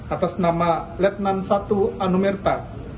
atas nama letnan satu anumerta